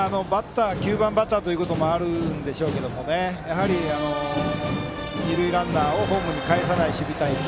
９番バッターということもあるんでしょうけどやはり二塁ランナーをホームにかえさない守備隊形。